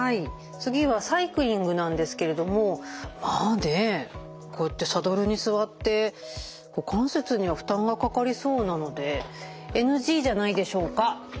次はサイクリングなんですけれどもまあねこうやってサドルに座って股関節には負担がかかりそうなのでＮＧじゃないでしょうか？